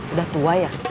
udah tua ya